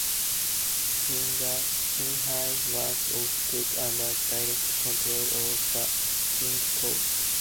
Qinghai was also put under direct control of the Qing court.